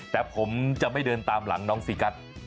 แต่ผมจะไม่เดินตามหลังน้องซีกัส